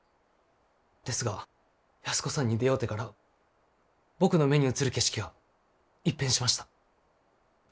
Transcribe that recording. ですが安子さんに出会うてから僕の目に映る景色が一変しました。